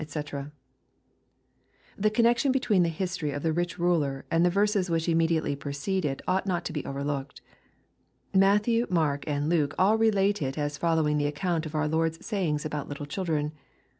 ] The connection between the history of the rich ruler and the verses which immediately pre cede it ought not to be overlooked. Matthew, Mark, and Luke all relate it as following the account of our Lord's sayings about little children.